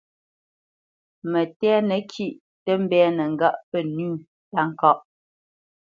Mətɛ̂nə kîʼ tə mbɛ̂nə́ ŋgâʼ pə́ nʉ̂ táka.